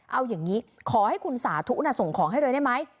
เอาอย่างนี้ขอให้คุณสาธุส่งของให้เลยได้ไหม